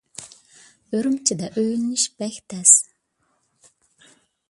ئۈرۈمچىدە ئۆيلىنىش بەك تەس.